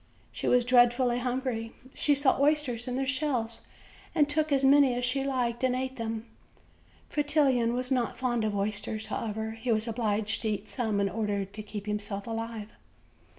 She was dreadfully hungry. She saw oysters in their shells, and took as many as she liked and ate them. Fretillon was not fond of oysters; however, he was obliged to eat some in order to keep himself alive.